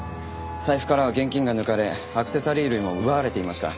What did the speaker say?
財布からは現金が抜かれアクセサリー類も奪われていました。